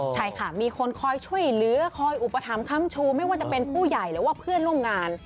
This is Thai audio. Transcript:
ใช่ค่ะมีคนคอยช่วยเหลือคอยอุปถัมภัมชูไม่ว่าจะเป็นผู้ใหญ่หรือว่าเพื่อนร่วมงาน